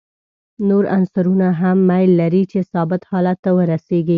نور عنصرونه هم میل لري چې ثابت حالت ته ورسیږي.